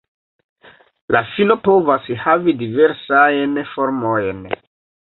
La fino povas havi diversajn formojn.